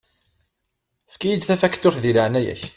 Efk-iyi-d tafakturt di leɛnaya-k.